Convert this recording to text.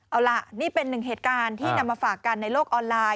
เอาล่ะนี่เป็นหนึ่งเหตุการณ์ที่นำมาฝากกันในโลกออนไลน